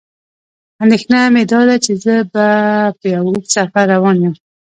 اندېښنه مې داده چې زه په یو اوږد سفر روان یم.